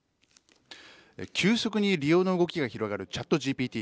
急速に利用の動きが広がるチャットＧＰＴ。